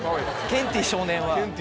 ケンティー少年の。